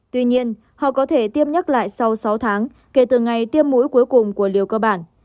tuy nhiên họ có thể tiêm nhắc lại sau sáu tháng kể từ ngày tiêm mũi cuối cùng của liều cơ bản